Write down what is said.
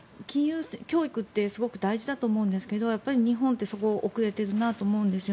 金融教育ってすごく大事だと思うんですけど日本ってそこがすごく遅れていると思うんです。